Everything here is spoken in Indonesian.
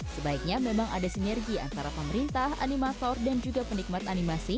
sebaiknya memang ada sinergi antara pemerintah animator dan penonton